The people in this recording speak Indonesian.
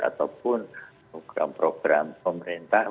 ataupun program program pemerintahan